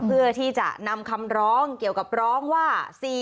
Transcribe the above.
เพื่อที่จะนำคำร้องเกี่ยวกับร้องว่า